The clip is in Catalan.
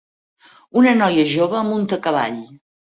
Una noia jove munta a cavall.